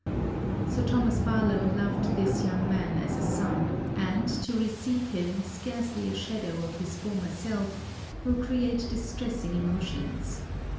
Sir Thomas Barlowe loved this young man as a son; and, to receive him scarcely a shadow of his former self, will create distressing emotions.